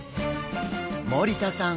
森田さん